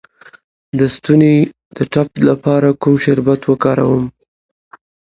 د ستوني د ټپ لپاره کوم شربت وکاروم؟